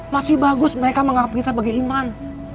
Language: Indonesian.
masih bagus mereka menganggap kita sebagai iman